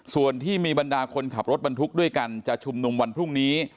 ส่วนที่มีบรรดาคนขับรถบรรทุกด้วยกันจะชุมนุมวันพรุ่งนี้